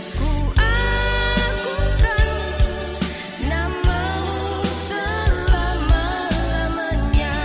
ku akukan namamu selama lamanya